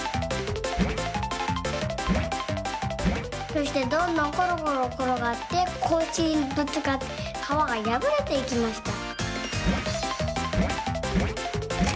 そしてどんどんころころころがってこいしにぶつかってかわがやぶれていきました。